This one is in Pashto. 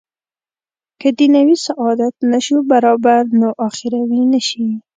که دنیوي سعادت نه شو برابر نو اخروي نه شي.